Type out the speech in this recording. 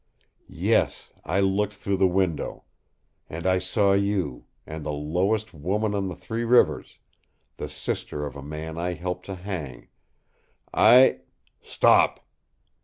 "Yes, I looked through the window. And I saw you, and the lowest woman on the Three Rivers the sister of a man I helped to hang, I " "STOP!"